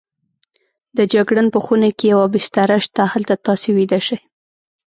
د جګړن په خونه کې یوه بستره شته، هلته تاسې ویده شئ.